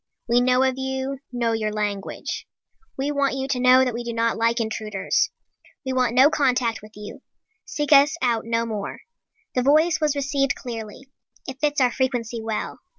We know of you, know your language. We want you to know that we do not like intruders. We want no contact with you. Seek us out no more. The voice was received clearly. It fits our frequency well.